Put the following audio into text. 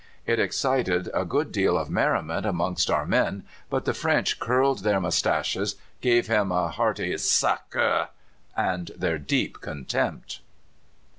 It excited a good deal of merriment amongst our men, but the French curled their moustaches, gave him a hearty "Sacre!" and their deep contempt.